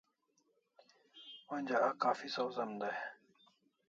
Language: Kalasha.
Onja a kaffi sawzem dai